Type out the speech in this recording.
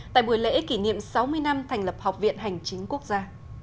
tại buổi lễ kỷ niệm sáu mươi năm thành lập học viện hành chính quốc gia